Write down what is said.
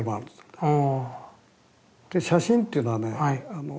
で写真っていうのはね